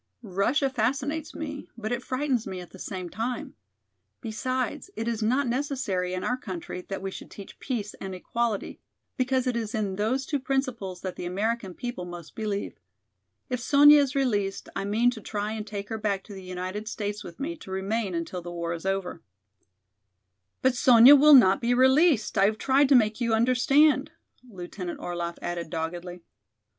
Russia fascinates me, but it frightens me at the same time. Besides, it is not necessary in our country that we should teach peace and equality, because it is in those two principles that the American people most believe. If Sonya is released I mean to try and take her back to the United States with me to remain until the war is over." "But Sonya will not be released, I have tried to make you understand," Lieutenant Orlaff added doggedly.